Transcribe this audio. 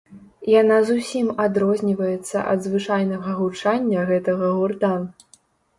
Яна зусім адрозніваецца ад звычнага гучання гэтага гурта.